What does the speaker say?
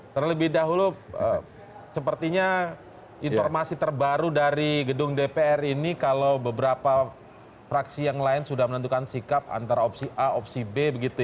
karena lebih dahulu sepertinya informasi terbaru dari gedung dpr ini kalau beberapa fraksi yang lain sudah menentukan sikap antara opsi a opsi b